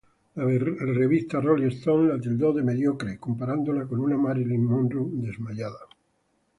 La revista Rolling Stone la tildó de mediocre comparándola con una Marilyn Monroe desmayada.